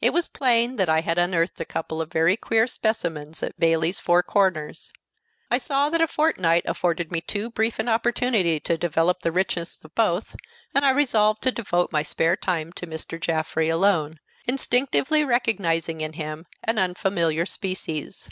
It was plain that I had unearthed a couple of very queer specimens at Bayley's Four Corners. I saw that a fortnight afforded me too brief an opportunity to develop the richness of both, and I resolved to devote my spare time to Mr. Jaffrey alone, instinctively recognizing in him an unfamiliar species.